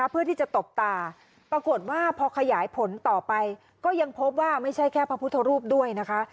เพื่อที่จะตบตาปรากฏว่าพอขยายผลต่อไปก็ยังพบว่าไม่ใช่แค่พระพุทธรูปด้วยนะคะ